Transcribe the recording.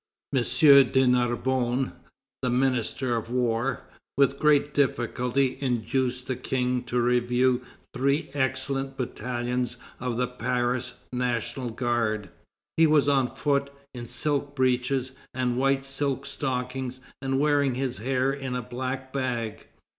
M. de Narbonne, the Minister of War, with great difficulty induced the King to review three excellent battalions of the Paris National Guard. He was on foot, in silk breeches and white silk stockings, and wearing his hair in a black bag.